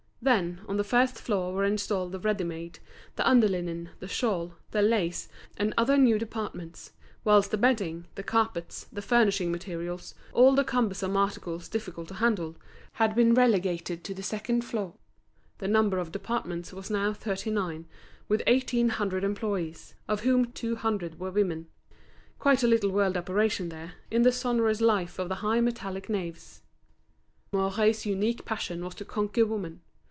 Then, on the first floor were installed the ready made, the under linen, the shawl, the lace, and other new departments, whilst the bedding, the carpets, the furnishing materials, all the cumbersome articles difficult to handle, had been relegated to the second floor. The number of departments was now thirty nine, with eighteen hundred employees, of whom two hundred were women. Quite a little world operated there, in the sonorous life of the high metallic naves. Mouret's unique passion was to conquer woman.